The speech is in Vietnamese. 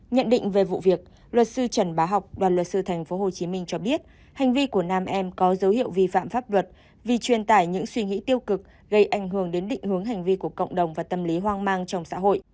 nhận định về vụ việc luật sư trần bá học đoàn luật sư tp hcm cho biết hành vi của nam em có dấu hiệu vi phạm pháp luật vì truyền tải những suy nghĩ tiêu cực gây ảnh hưởng đến định hướng hành vi của cộng đồng và tâm lý hoang mang trong xã hội